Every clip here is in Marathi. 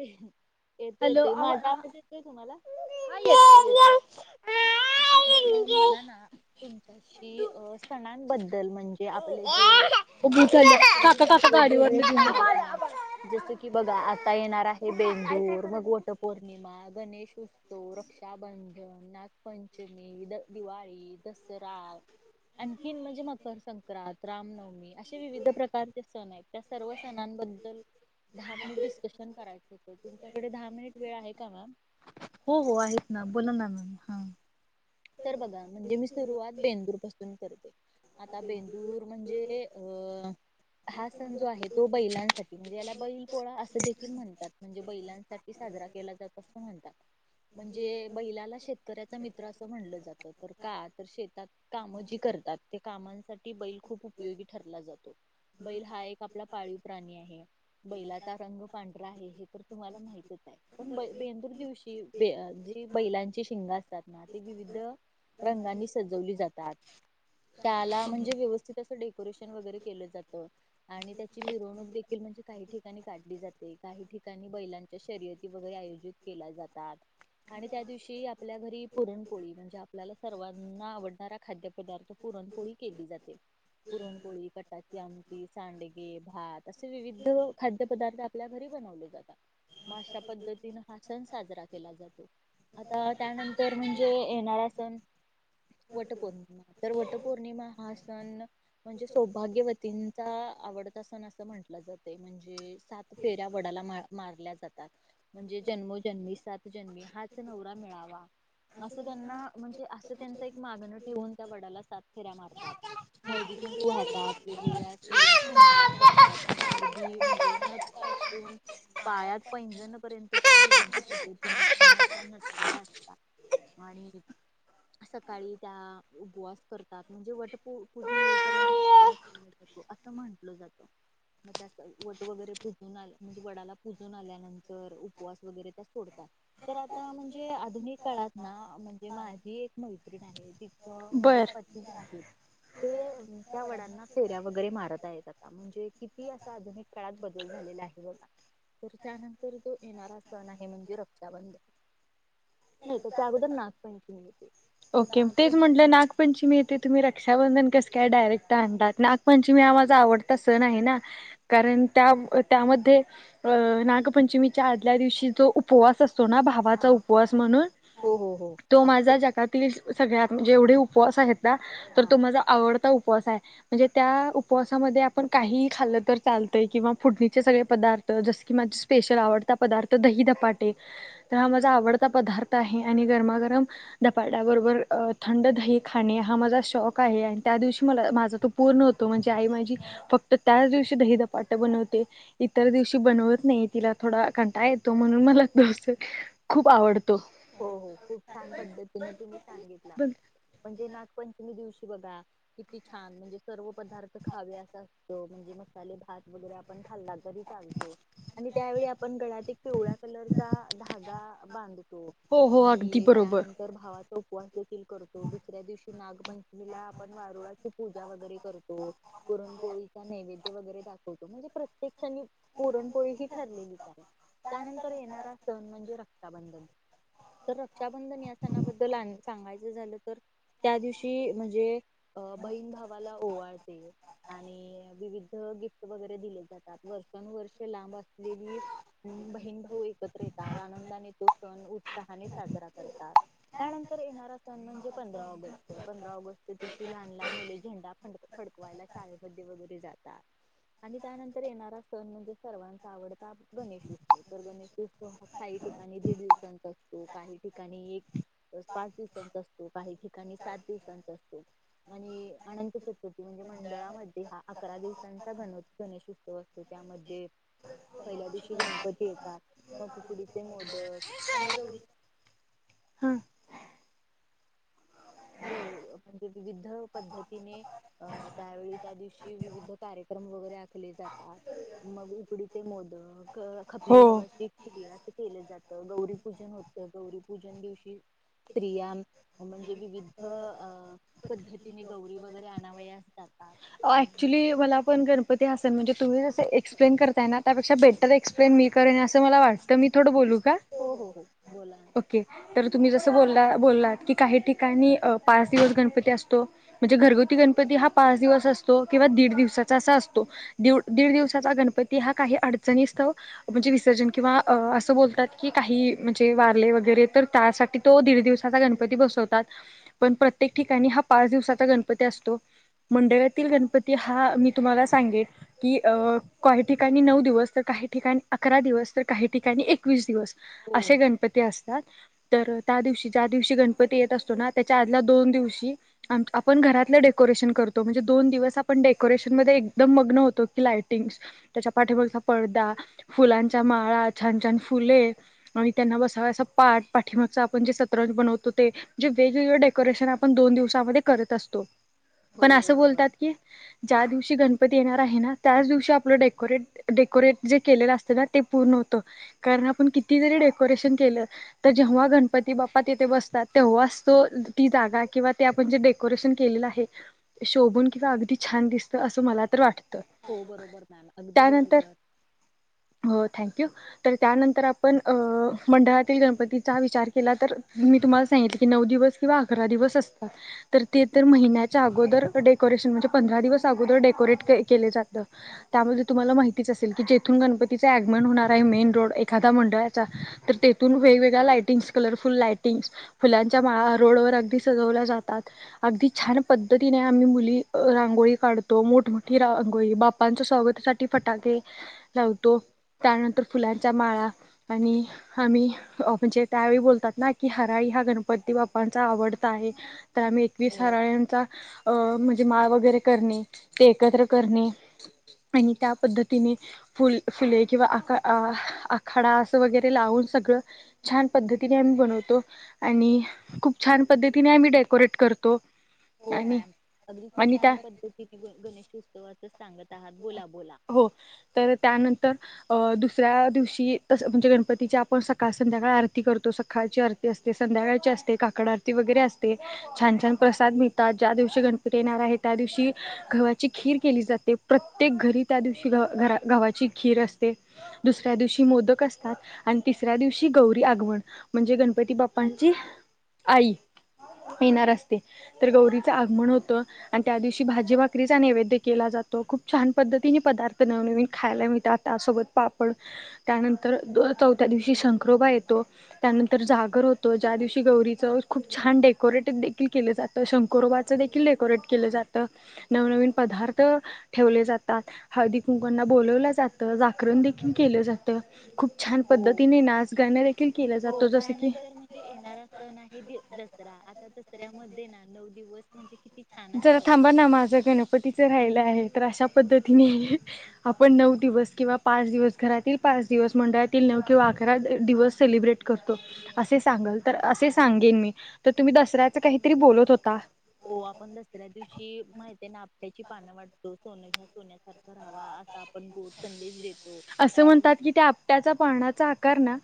हम हॅलो हा तर मग मला ना तुमच्याशी सणांबद्दल म्हणजे आपले जे उभी ल काका काका गाडीवर नाही जस की बघा आता येणार आहे हे बेूर मगवट पौर्णिमा गणेश उत्सव रक्षाबंधन नागपंचमी द दिवाळी दसरा आणखीन म्हणजे मकर संक्रांत रामनवमी असे विविध प्रकारचे सण आहेत त्या सर्व सणांबद्दल दहा मिनिट डिस्कशन करायचं तुमच्याकडे दहा मिनिट वेळ आहे का मॅम हो हो आहेत ना बोला ना म हा तर बघा म्हणजे मी सुरुवात बेंदूर पासून करते आता बेंदूर म्हणजे अं हा सण जो आहे तो बैलांसाठी म्हणजे याला बैल पोळा असं देखील म्हणतात म्हणजे बैलांसाठी जणात म्हणजे बैलाला शेतकऱ्याचा मित्र म्ह जात का तर शेतात काम जी करतात ते कामांसाठी बैल खूप उपयोगी ठर ला जातो. बैल हा एक आपला पाळीव प्राणी आहे. बैलाचा रंग पांढरा आहे हे तर तुम्हाला माहितच पण ब बेंदूर दिवशी जी बैलांची शिंग असतात ना ते विविध रंगांनी सजवली जातात. त्याला म्हणजे व्यवस्थित असं डेकोरेशन वगैरे केलं जात आणि त्याची मिरवणूक देखील म्हणजे काही ठिकाणी काढली जाते काही ठिकाणी बैलांच्या शर्यती वगैरे आयोजित केल्या जातात आणि त्या दिवशी आपल्या घरी पुरणपोळी म्हणजे आपल्याला सर्वांना आवडणारा खाद्यपदार्थ पुरणपोळी केली जाते पुरणपोळी कटाची आ सांडगे भात असे विविध खाद्य पदार्थ आपल्या घरी बनवले जातात. मग अशा पद्धतीनं हा सण साजरा केला जातो आता त्यानंतर म्हणजे येणारा सण वटपौर्णिमा तर वटपौर्णिमा हा ण म्हणजे सौभाग्यवतीचा आवडता सण असं म्हंटलं जाते म्हणजे सात फेऱ्या वडाला मारल्या जातात म्हणजे जन्मोजन्मी सात जन्मी हाच नवरा मिळावा असं त्यांना म्हणजे असं त्यांच एक मागणं ठेवून त्या वडाला सात फेऱ्या मारतात. हळदी कुंकू वाहतात वेगवेगळ्या स्त्रिया शृंगार करतात अगदी म्हणजे पायात पैजण पर्यंत त्या विविध पद्धतीने छानशा नटलेल्या अस आणि सकाळी त्या उपवास करतात म्हणजे वट पूजून येऊपर्यंत असं म्हंटलं जातं. मग त्या अस वट वगैरे पुजून आल्या म्हणजे वडाला पुूजून आल्यानंतर उपवास वगैरे त्या सोडतात. तर आता म्हणजे आधुनिक काळात ना म्हणजे माझी एक मैत्रीण आहे तिच म्हणजे पती जे आहेत ते त्या वडांना फेऱ्या वगैरे मारत आहेत आता. म्हणजे किती असा आधुनिक काळात बदल झालेला आहे. होना. तर त्यानंतर जो येणारा सण आहे म्हणजे रक्षाबंधन. [unintelligible] नाही त्याच्या अगोदर नागपंचमी. ओके तेच म्हंटलं नागपंचमी येथे तुम्ही रक्षांधन कस काय डायरेक्ट आणतात. नागपंचमी हा माझा आवडता सण आहे ना. कारण त्या त्यामध्ये अ नागपंचमीच्या आदल्या दिवशी जो उपवास असतो तो ना भावाचा उपवास म्हणून. तो माझा जगात सगळ्यात जेवढे उपवास आहेत ना. तर तो माझा आवडता उपवास उपवास आहे. म्हणजे त्या उपवासामध्ये आपण काही खाल्लं तर चालतंय किंवा फुडणीचे सगळे पदार्थ जस क माझ स्पेशल आवडता पदार्थ दही धपाटे तर हा माझा आवडता पदार्थ आहे आणि गरमा. गरम धपाटे धपाटेबरोबर थंड दही खाणे हा माझा शौक आहे आणि त्या दिवशी मला माझा तो पूर्ण होतो म्हणजे आई माझी फक्त त्याच दिवशी दही धपाटा बनवते. इतर दिवशी बनवत नाही. तिला थोडा कंटाळा येतो म्हणून मला तो सण खूप आवडतो. हो हो खूप छान पद्धतीने तुम्ही सांगितला. म्हजे नागपंचमी दिवशी बघा किती छान म्हणजे सर्व पदार्थ खावे असा [unintelligible] मसाले भात वगैरे आपण खाल्ला तरी चालतो आणि त्यावेळी आपण गळ्यात एक पिवळ्या कलरचा धागा बांधू हो हो अगदी बरोबर. उपवास देखील करतो दुसऱ्या दिवशी नागपंचमीला आपण वारुळाची पूजा वगैरे करतो. पुराण पोळीचा नैवेद्य वगैरे दाखवतो म्हणजे प्रत्येक णि पुरणपोळी ही ठरलेलीच आहे. त्यानंतर येणारा सण म्हणजे रक्षाबंधन. तर रक्षाबंधन या सणाबद्दल आण सांगायचं झालं तर त्या दिवशी म्हणजे अ बहीण भावाला ओवाळते ह आणि विविध गिफ्ट वगैरे दिले जातात वर्षानुवर्ष लांब असलेली बहीण भाऊ एकत्र येतात आनंदाने तो उत्साहाने साजरा करतात त्यानंतर येणारा सण म्हणजे पंधरा ऑगस्ट. पंधरा ऑगस्ट त्या दिवशी लहान लहान मुले झेंडा फड फडकवायला शाळेमध्ये वगैरे जातात. आणि त्यानंतर येणारा सण म्हणजे सर्वांचा आवडता गणेशोत्सव तर गणेशोत्सव हा खाई ठिकाणी दीड दिवसांचा असतो काही ठिकाणी एक पाच दिवसांचा असतो काही ठिका णी सात दिवसांचा असतो. आणि अनंत चतुर्थी म्हणजे मंडळामध्ये हा अकरा दिवसांचा गण गणेशोत्सव असतो त्यामध्ये पहिल्या दिवशी गणपती येतात म उकडीचे मोदक हा म्हणजे विविध पद्धतीने अ त्यावेळी त्या दिवशी विविध कार्यक्रम क्रम वगैरे आखले जातात. मग उकडीचे मोदक खपली हवाची खीर असं केलं जातं गौरीपूजन होत. गौरीपूजन दिवशी स्त्रियां म्हणजे विविध त अ पद्धतीने गौरी वगैरे आनव्यास लागतंय ऍक्च्युली मला पण गणपती ह म्हणजे तुम्ही जस एक्सप्लेन करताय ना त्यापेक्ष बेटर एक्सप्लेन मी करेन असं मला वाटतं मी थोडं बोलू हो हो हो बोला तर तुम्ही जस ब बोललात की काही ठिकाणी पाच दिवस गणपती असतो म्हणजे घरगु ग गणप हा पाच दिवस तो किंवा दीड दिवसाचा असा असतो दीड दिवसाछचा गणपती हा काही अडचणी सत्व सर्जन किंवा अस बतात क काही म्हणजे वारले वगैरे तर त्यासाठी तो दीड दिवसा गणपती बसवतात पण प्रत्येक ठिकाणी हा पाच दिवसाचा गणपती असतो मंड तील गणपती हा मी तुम्हाला सांगे की काही ठिकाणी नऊ दिवस तर काही ठिकाणी अकरा दिवस तर काही ठिकाणी एकवीस दिवस असे गणपती असते तर त्या दिव ज दिवशी गणपती य असतो त्या आ दोन दिवशी घरात डेकोरेन करो म्हणजे दोन दिवस आपण डेकोरेशन मध्ये एकदम मग्न होतो की लायटिंगस त्याच्या पाठीमागचा पडदा फुलांचा माळा छान छान फुले आणि त्यांना बसाव असा पाठ पाठीमागच आपण जे सतरा तो म्हणे वेगवेग डेकोरेशन आपण दोन दिवसामध्ये करत असतो हो बरोबर ात क जादवस दिवशी गणपती येणार आहे ना त्याच दिवशी आपलं डेकोरेट डेकोरेट जे केलेलं असतं ना ते पूर्ण होतं कारण आपण किती जरी डेकोरेशन केलं तर जेव्हा गणपती बाप्ातिथे बसतात तेव्हाच तो किं आप कोरेशन केो किवा अगदी छान दिसतं असं मला तर वाटतं हो बरोबर ना ना अगदी बरोबर तर त्यानंतर आपण मंडळातील गणपतीचा विचार केला तर मी तुम्हाला सांगित क अ ेणं डेोरे ज त्हा माे ज आगमन होणार आहे मेन रोड एखा्या मंडळाचा तर तेथून वेगवेग्या लाटिंग कलरफुल लाट फुलांच्या माळा रोडवर्ती अगदी सजवल्या जातात अगदी छान पद्तीने आम्ही मु रांगोळी काढतो मोठमठी रांगोळी बापांच्या स्वागतासाठी फटाके लावतो त्यानंतर फुलांचा माळा आणि आम्ही म्हणजे त्यावेळी बोलतात ना की हराळी णप बा आवड एकचा े माळ वगैरे कर ते एकत्र करणे आणि त्या पद्धतीने फुल फुले किंवा आखाडा असं वगैरे लावून सगळं छान पद्धतीने आम्ही बनवतो आणि खूप छान पद्धतीने आम्ही डेकोरेट करतो हो मॅम अगदी खूप छान पद्धती गणेशोत्सवाच सांगत आहात बोला हो तर त्यानंत तर अ दुसऱ्या दिवशी तस म्हणजे गणपतीच्या आपण सकाळ संध्याकाळ आरती करतो सकाळची आरती असते संध्याकाळची असते काकड आरती वगैरे असते छान छान प्रसाद मिळतात ज्या दिवशी गणपती येणार्या त्या दिवशी गव खर केली जाते प्रत्येक घरी त्या दिवशी गवाची खीर असते दुसऱ्या दिवशी मोदक असतात आणि तिसऱ्या दिवशी गौरी आगवण म्हणजे गणपती बाप्पांची आई येणार असते तर गौरीचं आगमन होतं आणि त्या दिवशी भाजी भाकरीचा नैवेद्य केला जातो खूप छान पद्धत तीन पदार्थ नवनवीन खायला मिळतात त्यासोबत पापड त्यानंतर चौथ्या दिवशी कोबा येतो त्यानंतर जागर होतो ज्या दिवशी गौरीच खूप छान डेकोरेटे देखील केलं जात शंकुरोबाचं देखील डेकोरेट केलं जातं नवनवीन पदार्थ ठेवले जात हळदी कुंकना बवलं जात जाकरण देखील केलं जात खूप हो हो त्यानंतर म्हणजे येणारा सण आहे दसरा आता दसऱ्यामध्ये ना नऊ दिवस म्हणजे जरा थांबा ना माझं गणपतीचं राहायचं प आप न दिव क दिव म्ह किंवा अकरा दिवस सेलब्रेट करतो अस सांग तर अस सांगेनी तुम्ही दसऱ्याच काहीतरी बोलत होता हो आपणस दुसऱ्या दिवशी माहितीे नापट्याची पानं वाटतो सोनं ह्या सोन्यासारखं रहावा असं म्हणतात की त्या आपट्याचा पाण्याचा आकार ना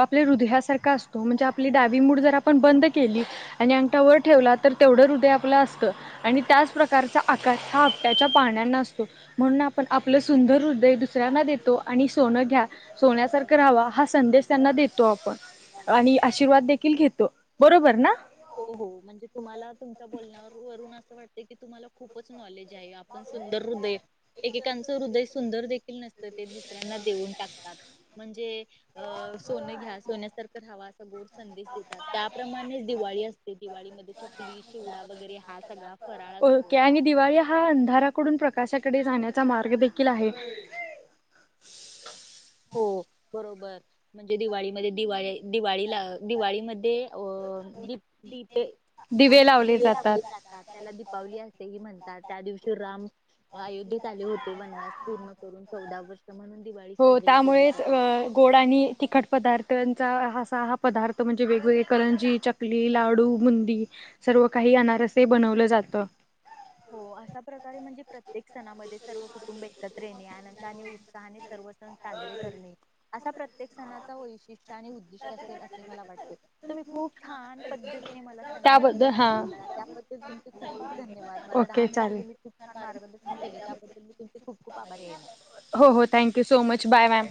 आप हृदयाार असतो म्हणे आपली डा मूड जर आपण बंद केली अा वर ठेव तेवढं हदय आप असत आणि त्याच प्र आ ह आप्या पाण्या असतो म्ह आप आपलं सु हृदय दुसऱ्यांना देतो आणि सोनं घ्या सोन्यासारखं राहावा हा संदेश त्यांना देतो आपण आणि आशीर्वाद देखील घेतो बरोबर ना हो हो म्हणजे तुम्हाला तुमच्या बोलण्या वून असं वाटते की तुम्हाला खूपच नॉलेज आपण सुंदर हृदय एकेकांचं हृदय सुंदर देखील नसतं ते दुसऱ्यांना देऊन टाकतात म्हणजे अ सोनं घ्या सोन्यासारखं राहावा असा गोर संदेश देतात त्याप्रमाणे दिवाळी असते दिवाळीमध्ये चकली चिवडा वगैरे हा सगळा फराळ असतो आकाशाकडे जाण्याचा मार्ग देखील आहे हो बरोबर म्हणजे दिवाळीमध्ये दिवाळी दिवाळीला दिवाळीमध्ये अ दप दिवे लाभले जातात त्याला दीपावली असते ही म्हणतात त्या दिवशी राम अयोध्येत आले होते वनवास पूर्ण करून चौदा वर्ष म्हणून दिवाळी हो त्यामुळेच गोड आणि तिखट पदार्थ अस हा पदार्थ म्हणजे वेगवेग करंजी चकली लाडू मुंदी सर्व काही बनवलं जात हो अशा प्रकारे म्हणजे प्रत्येक सणामध्ये सर्व कुटुंब एकत्र येणे आनंदाने उत्साहाने सर्व जे असा प्रत्येक सणाच वैशिष्ट आणि उद्दिष्ट असेल असे मला वाट खूप छान पद्धतीने मला सणांबद्दल सांगितला त्याबद्दल तुमचे खूप खूप धन्यवाद दहा मिनिट तुम्ी खूप फार मार्गदर्शन केले त्याबद्दल मी तुमचे खूप खूप आभारी आहेन हो हो thank you so much bye bye